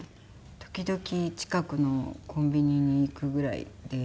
時々近くのコンビニに行くぐらいで。